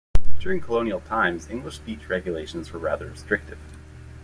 During colonial times, English speech regulations were rather restrictive.